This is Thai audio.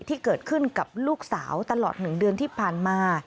ที่เกิดขึ้นกับลูกสาวตลอด๑เดือนที่ผ่านมา